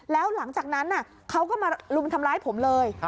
แล้วหลังจากนั้นเขาก็มาลุมทำร้ายผมเลย